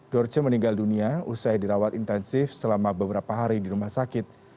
dorce meninggal dunia usai dirawat intensif selama beberapa hari di rumah sakit